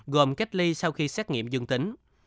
gồm kết ly sau khi xét nghiệm dương tính